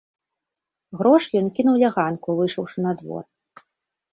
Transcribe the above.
Грошы ён кінуў ля ганку, выйшаўшы на двор.